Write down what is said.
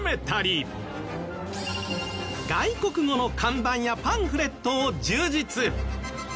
外国語の看板やパンフレットを充実！